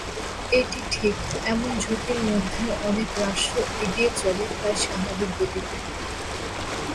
এটি ঠিক, এমন ঝুঁকির মধ্যেও অনেক রাষ্ট্র এগিয়ে চলে প্রায় স্বাভাবিক গতিতে।